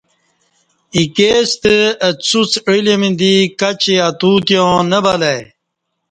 ایکے ستہ اڅوڅ علم دی کچی اتوتیا ں نہ بلہ ای